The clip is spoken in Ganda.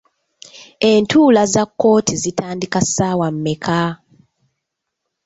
Entuula za kkooti zitandika ssaawa mmeka?